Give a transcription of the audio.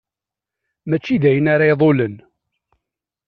Mačči d ayen ara iḍulen.